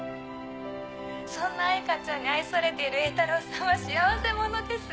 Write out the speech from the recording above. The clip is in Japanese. そんな藍花ちゃんに愛されている榮太郎さんは幸せ者です。